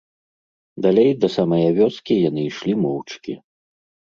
Далей, да самае вёскі, яны ішлі моўчкі.